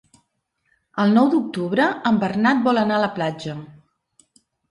El nou d'octubre en Bernat vol anar a la platja.